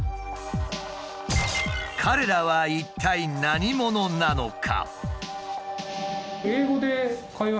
彼らは一体何者なのか？